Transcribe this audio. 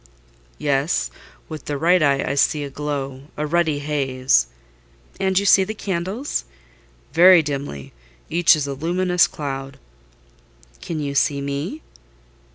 "Yes; with the right eye I see a glow—a ruddy haze." "And you see the candles?" "Very dimly—each is a luminous cloud." "Can you see me?"